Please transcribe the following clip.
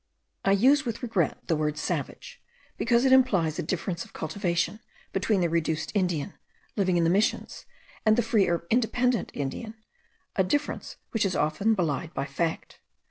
I use with regret the word savage, because it implies a difference of cultivation between the reduced Indian, living in the Missions, and the free or independent Indian; a difference which is often belied by fact.